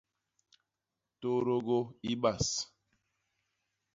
Tôtôgô i bas.